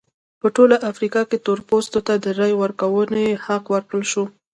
په ټوله افریقا کې تور پوستو ته د رایې ورکونې حق ورکړل شو.